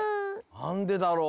なんでだろう？